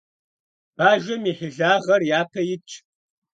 Бажэм и хьилагъэр япэ итщ.